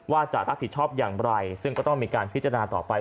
ว่าจะรับผิดชอบอย่างไรซึ่งก็ต้องมีการพิจารณาต่อไป